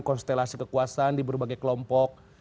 konstelasi kekuasaan di berbagai kelompok